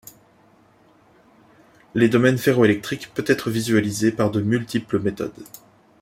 Les domaines ferroélectriques peut-être visualisés par de multiples méthodes.